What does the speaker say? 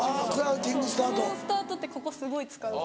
このスタートってここすごい使うから。